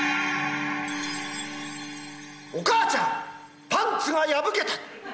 お母ちゃんパンツが破けた！